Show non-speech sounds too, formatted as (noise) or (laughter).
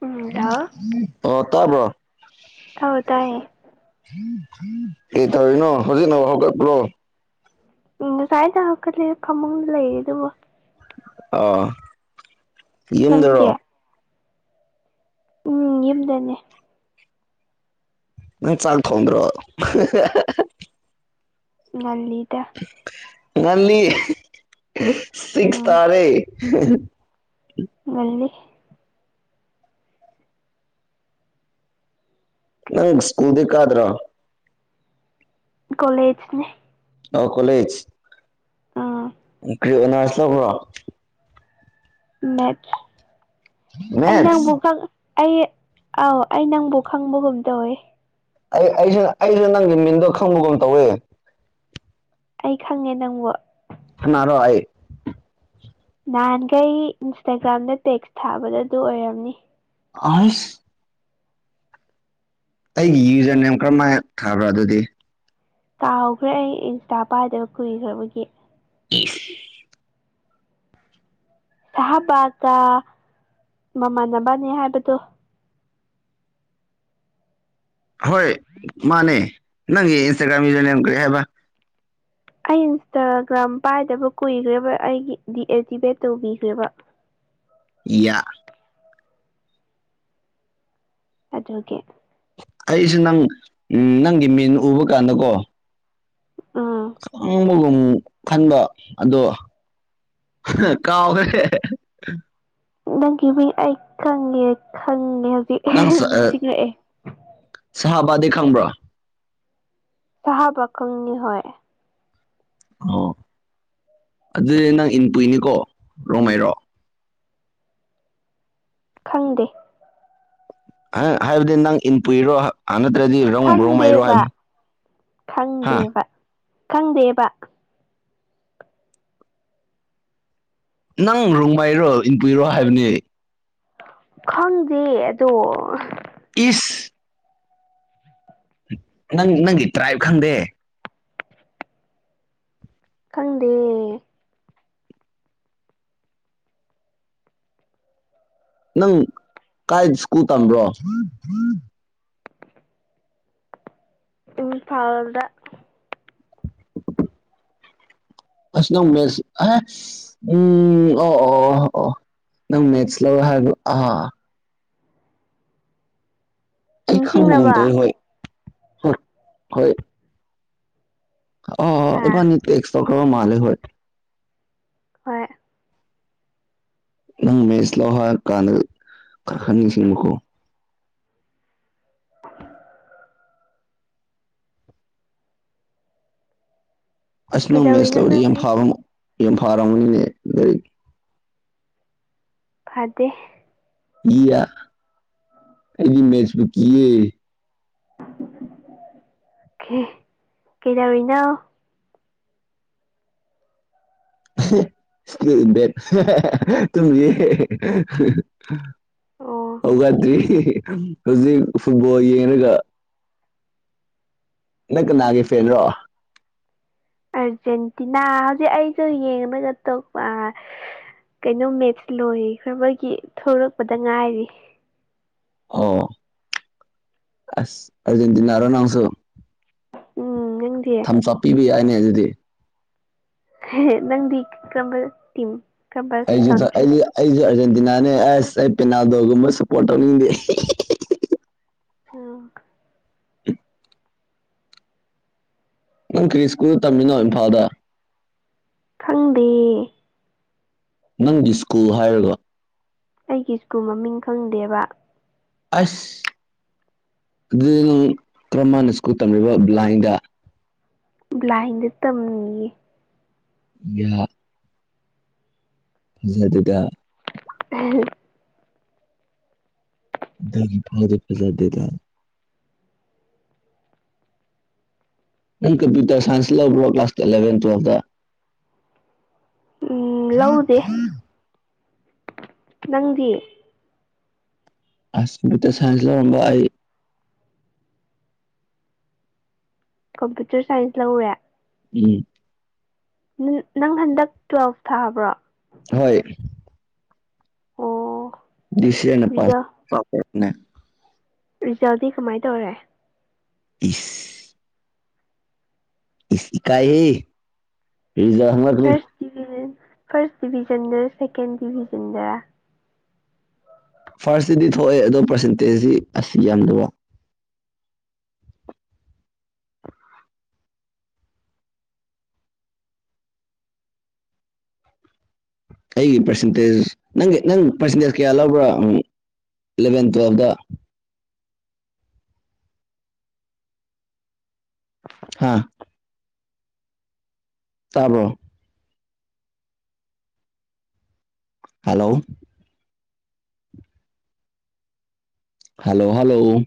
ꯎꯝ ꯑꯣ ꯇꯄ ꯍꯧ ꯇꯥꯏꯦ ꯀ ꯇꯧꯔꯤꯅꯣ ꯍꯧꯖꯤꯛꯅ ꯍꯧꯒꯠꯄ꯭ꯔꯣ ꯎꯝ ꯉꯁꯥꯏ ꯇꯔꯛꯀꯗꯤ ꯐꯃꯨꯡꯗ ꯂꯩꯔꯤ ꯑꯗꯨꯕ ꯑ ꯅꯪꯗꯤ ꯌꯨꯝꯗꯔꯣ ꯎꯝ ꯌꯨꯝꯗꯅꯦ ꯅ ꯆꯥꯛ ꯊꯗ꯭ꯔꯣ ꯉꯗ ꯉꯜꯂꯤ ꯁꯤꯒ ꯇꯔꯦ ꯃꯜꯂꯤ ꯅꯪ ꯁꯀꯨꯜꯗ ꯀꯗ꯭ꯔ ꯀꯣꯂꯦꯖꯅꯦ ꯑꯣ ꯀꯣꯂꯦꯖ ꯎꯝ ꯀ꯭ꯔꯤꯅꯥꯔꯁ ꯇꯧꯕ꯭ꯔꯣ ꯃꯦꯠ ꯑꯩ ꯅꯪꯕꯨ ꯃꯦꯠꯁ ꯑꯩ ꯑꯥꯎ ꯑꯩ ꯅꯪꯕꯨ ꯈꯪꯕꯒꯨꯝ ꯇꯧꯋꯦ ꯑꯩ ꯑꯩꯁꯤ ꯑꯩꯁꯨ ꯅꯪꯒꯤ ꯃꯤꯟꯗꯣ ꯈꯪꯕꯒꯨꯝ ꯇꯧꯏ ꯑꯩ ꯈꯪꯉꯦ ꯅꯪꯕꯨ ꯁꯅꯔꯣ ꯅꯍꯥꯟꯈꯩ ꯏꯟꯁꯇꯥꯒ꯭ꯔꯥꯝꯗ ꯇꯦꯛꯁ ꯊꯥꯕꯗ ꯑꯗꯨ ꯑꯣꯏꯔꯝꯅꯤ ꯑꯁ ꯑꯩꯒꯤ ꯌꯨꯖꯔ ꯅꯦꯝ ꯀꯔꯝꯍꯥꯏꯅ ꯊꯥꯕ꯭ꯔꯥ ꯑꯗꯨꯗꯤ ꯀꯥꯎꯈ꯭ꯔꯦ ꯑꯩ ꯏꯟꯁꯇꯥ ꯄꯥꯏꯗꯕ ꯀꯨꯏꯈ꯭ꯔꯕꯒꯤ ꯎꯝ ꯁꯍꯥ ꯄꯇ ꯃꯃꯥꯟꯅꯕꯅꯦ ꯍꯥꯏꯕꯗꯣ ꯍꯣꯏ ꯃꯥꯅꯦ ꯅꯪꯒꯤ ꯏꯟꯁꯇꯥꯒ꯭ꯔꯥꯝ ꯌ ꯀꯔꯤ ꯍꯥꯏꯕ ꯑ ꯏꯟꯁꯇꯥꯒ꯭ꯔꯥꯝ ꯄꯥꯏꯗꯕ ꯀꯨꯏꯈ꯭ꯔꯦꯕ ꯑꯩꯒꯤ ꯗꯤꯑꯛꯇꯤꯚꯦꯠ ꯇꯧꯕꯤꯈ꯭ꯔꯦꯕ ꯌꯥ ꯑꯗꯣꯀꯦ ꯑꯩꯁꯦ ꯅꯪ ꯎ ꯅꯪꯒꯤ ꯃꯤꯟ ꯎꯕ ꯀꯥꯟꯗꯀꯣ ꯑꯥ ꯑꯃꯒꯨꯝ ꯈꯟꯕ ꯑꯗꯣ ꯀꯥꯎ ꯍ ꯅꯪꯒꯤꯕꯤ ꯑꯩ ꯈꯪꯉꯦ ꯈꯪꯉꯦ ꯍꯧꯖꯤꯛ ꯅꯪ ꯅꯤꯡꯁꯤꯡꯂꯛꯑꯦ ꯁꯍꯥꯕꯥꯗꯤ ꯈꯪꯕ꯭ꯔꯥ ꯁꯍꯥꯕ ꯈꯪꯅꯤ ꯍꯣꯏ ꯑꯣ ꯑꯗꯨꯗꯤ ꯅꯪ ꯏꯟꯄꯨꯏꯅꯤꯀꯣ ꯔꯣꯡꯉꯥꯏꯔꯣ ꯈꯪꯗꯦ ꯑ ꯍꯥꯏꯕꯗꯤ ꯅꯪ ꯏꯟꯄꯏꯔꯣ ꯑꯅꯠꯇ꯭ꯔꯗꯤ ꯔꯧ ꯔꯣꯃꯔꯣ ꯍꯥꯏ ꯈꯪꯗꯦꯕ ꯍꯥ ꯈꯪꯗꯦꯕ ꯈꯪꯗꯦꯕ ꯅꯪ ꯔꯣꯡꯃꯥꯏꯔꯣ ꯏꯟꯄꯨꯏꯔꯣ ꯍꯥꯏꯕꯅꯤ ꯈꯪꯗꯦ ꯑꯗꯣ ꯏꯁ ꯅꯪ ꯅꯪꯒꯤ ꯇ꯭ꯔꯥꯏꯞ ꯈꯪꯗꯦ ꯈꯪꯗꯦ ꯅꯪ ꯀꯥꯏ ꯁ꯭ꯀꯨꯜ ꯇꯝꯕ꯭ꯔꯣ ꯎꯝ ꯐꯥꯎꯗ ꯁꯅꯃꯦꯦꯁ ꯑ ꯎꯝ ꯑꯣ ꯑꯣ ꯑꯣ ꯅꯝ ꯃꯦꯠꯆꯂ ꯍꯥꯏꯨ ꯑ ꯑꯩ ꯅꯤꯡꯁꯤꯡꯉꯕ ꯈꯗ ꯍ ꯍ ꯍ ꯑ ꯑꯥ ꯏꯃ ꯅꯇ ꯑꯦꯁꯇꯀ ꯃꯥꯜꯦ ꯍ ꯍꯣꯏ ꯅꯪ ꯃꯦꯁ ꯂꯣꯍꯥ ꯀꯥꯟꯅ ꯀꯥꯈ ꯅꯤꯡꯁꯤꯡꯕꯈꯣ ꯑꯁ ꯅꯧ ꯃꯦꯠꯁ ꯀꯩꯗꯧꯔꯤꯅꯣ ꯅꯪꯗꯤ ꯂꯧꯧꯕꯔꯗꯐꯥꯕ ꯌꯥꯝꯐꯥꯔꯕꯅꯤꯅꯦ ꯂꯩꯔꯤ ꯐꯗꯦ ꯏꯌꯥ ꯑꯩꯗꯤ ꯃꯦꯆꯕꯨ ꯀ ꯀꯩ ꯇꯔꯔꯤꯅ ꯁꯀꯤꯗ ꯇ ꯑꯣ ꯍꯧꯒꯠꯇ꯭ꯔꯤ ꯍꯧꯖꯤꯛ ꯐꯨꯠꯕꯣꯜ ꯌꯦꯡꯉꯒ ꯅꯪ ꯀꯅꯥꯒꯤꯦ ꯐꯔꯣ ꯑꯔꯖꯦꯟꯇꯤꯅꯥ ꯍꯧꯖꯤꯛ ꯑꯩꯁꯨ ꯌꯦꯡꯉꯒ ꯇꯣꯛꯄ ꯀꯩꯅꯣ ꯃꯦꯠꯁ ꯂꯣꯏꯈꯕꯒꯤ ꯊꯂꯛꯄꯗ ꯉꯥꯏꯔꯤ ꯑꯣ ꯑ ꯑꯔꯖꯦꯟꯦꯟꯇꯅꯔꯣ ꯅꯅꯥꯥꯎꯁꯨꯣ ꯎꯝ ꯅꯪꯗꯤ ꯊꯝꯆꯥ ꯄꯤꯕ ꯌꯥꯏꯅꯦ ꯑꯗꯨꯗꯤ ꯅꯪꯗꯤ ꯀꯝꯕ ꯇꯤꯝ ꯀꯔꯝꯕ ꯀꯟꯇ꯭ꯔꯤ ꯑꯩꯁꯨꯗ ꯅꯥꯅꯦ ꯑꯁ ꯑꯩ ꯄꯦꯅꯥꯗꯣꯒꯨꯝꯕ ꯁꯄꯣꯔꯠ ꯇꯧꯅꯤꯡꯗꯦ ꯑ ꯅꯪ ꯀ꯭ꯔꯤꯁꯀꯨ ꯇꯝꯃꯤꯟꯅꯣ ꯏꯝꯐꯥꯜꯗ ꯈꯪꯗꯦ ꯅꯪꯗꯤ ꯁ꯭ꯀꯨꯜ ꯍꯥꯏꯔꯒ ꯑꯩꯒꯤ ꯁꯀꯨ ꯃꯃꯤꯡ ꯈꯪꯗꯦꯕ ꯑꯁ ꯑꯗꯨꯗ ꯀꯃꯥꯏꯟꯅ ꯁ꯭ꯀꯨꯜ ꯇꯝꯂꯤꯕ ꯕ꯭ꯂꯥꯏꯟꯗ ꯕꯂꯥꯏꯟꯗ ꯇꯝꯅꯤꯌꯦ ꯌꯥ ꯁ ꯑꯗꯨꯗ ꯎꯝ (unintelligible) ꯅꯪ ꯀꯝꯄ꯭ꯌꯨꯇꯔ ꯁꯥꯏꯟꯁ ꯂꯧꯕꯔꯣ ꯀ꯭ꯂꯥꯁ ꯑꯦꯂꯕꯟ ꯇꯨꯋꯦꯜꯇꯥ ꯎꯝ ꯂꯧꯗꯦ ꯅꯪꯗꯤ ꯑꯁꯠꯇ ꯁꯥꯏꯟꯁ ꯂꯧꯔꯝꯕ ꯑꯩ ꯀꯝꯄ꯭ꯌꯨꯇꯔ ꯁꯥꯏꯟꯁ ꯂꯧꯋꯦ ꯎꯝ ꯅꯪ ꯍꯟꯗꯛ ꯇꯨꯋꯦꯜꯐ ꯊꯥꯕ꯭ꯔꯣ ꯍꯣꯏ ꯑꯣ ꯔꯤꯖꯜ (unintelligible) ꯔꯤꯖꯜꯗꯤ ꯀꯃꯥꯏꯅ ꯇꯧꯔꯦ ꯎꯝ ꯏ ꯏꯀꯥꯏꯍꯦ ꯔꯤꯖꯜ ꯍꯪꯂꯛꯀꯅꯨ ꯐꯥꯔꯁ ꯗꯤꯚꯖꯟ ꯐꯥꯔꯁ ꯗꯤꯚꯖꯟꯗ ꯁꯦꯀꯦꯟ ꯗꯤꯚꯖꯟꯗ ꯐꯥꯔꯁꯇꯗꯤ ꯊꯣꯛꯑꯦ ꯑꯗꯣ ꯄꯥꯔꯁꯦꯟꯇꯦꯖꯇꯤ ꯑꯁꯤ ꯌꯥꯝꯗ ꯋꯥ ꯑꯩꯒꯤ ꯄꯔꯁꯦꯟꯇꯦꯖ ꯅꯪꯒꯤ ꯅꯪ ꯄꯔꯁꯦꯟꯇꯦꯖ ꯀꯌꯥ ꯂꯧꯕ꯭ꯔꯥ ꯎ ꯏꯂꯚꯦꯟ ꯇꯨꯋꯦꯜꯐꯗ ꯍꯥꯥ ꯇꯥꯕꯔꯣ ꯍꯜꯂꯣ ꯍꯜꯂꯣ ꯍꯜꯂꯣ